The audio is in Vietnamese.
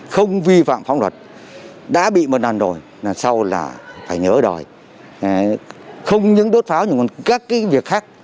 không vi phạm phóng luật đã bị một lần rồi lần sau là phải nhớ đòi không những đốt pháo nhưng các việc khác